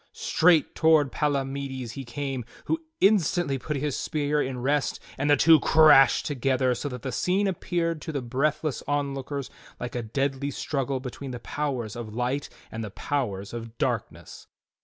Straight toward Pala mides he came, who instantly put his spear in rest and the two crashed together so that the scene appeared to the breathless onlookers like a deadly struggle between the powers of Light and the powers of Darkness.